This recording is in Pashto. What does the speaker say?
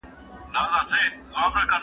حیات الله د خپل عمر حساب کوي.